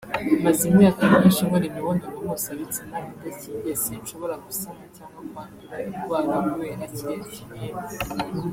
Maze imyaka myinshi nkora imibonano mpuzabitsina idakingiye sinshobora gusama cyangwa kwandura indwara kubera kiriya kinini